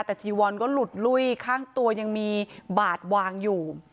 แต่จีวอนก็หลุดลุ้ยข้างตัวยังมีบาดวางอยู่